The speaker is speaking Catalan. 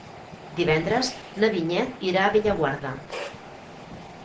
Divendres na Vinyet irà a Bellaguarda.